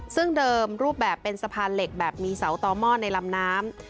ซึ่งเดิมรูปแบบเป็นสะพานเหล็กแบบมีเสาต่อหม้อในลำน้ำ